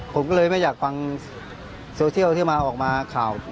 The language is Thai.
ผมก็เลยไม่อยากฟังโซเชียลที่มาออกมาข่าว